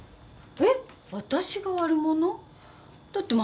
えっ？